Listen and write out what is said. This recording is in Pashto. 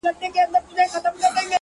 صبر د بریالیتوب د پخېدو موسم دی